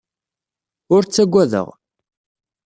Ur ttagadeɣ.